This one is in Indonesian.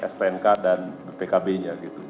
snk dan pkb nya